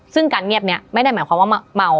ซึ่งการเงียบนี้ไม่ได้หมายความว่าเมา